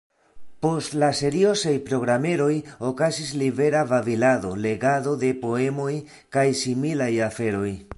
Post la seriozaj programeroj okazis libera babilado, legado de poemoj, kaj similaj aferoj.